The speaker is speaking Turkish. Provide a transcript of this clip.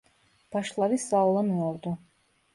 Başları sallanıyordu.